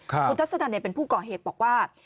คุณทัศนันเป็นผู้ก่อเหตุบอกว่า